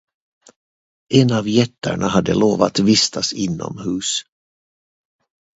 En av getterna hade lov att vistas inomhus.